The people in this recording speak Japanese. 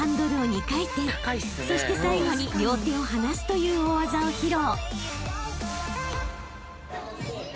［そして最後に両手を離すという大技を披露］